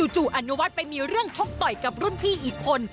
จู่อนุวัฒน์ไปมีเรื่องชกต่อยกับรุ่นพี่อีกคน